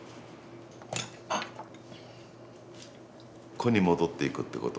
「個」に戻っていくってこと。